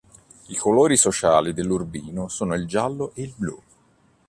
I colori sociali dell'Urbino sono il giallo e il blu.